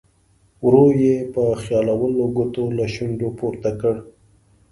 ورو یې په خیالولو ګوتو له شونډو پورته کړ.